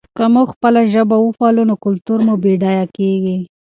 که موږ خپله ژبه وپالو نو کلتور مو بډایه کېږي.